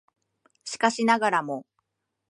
しかしながらも